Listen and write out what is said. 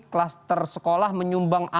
klaster sekolah menyumbang angkanya